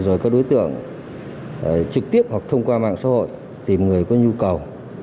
rồi các đối tượng trực tiếp hoặc thông qua mạng xã hội tìm người có nhu cầu